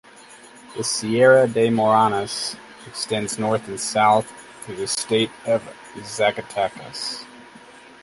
The Sierra de Morones extends north and south through the state of Zacatecas.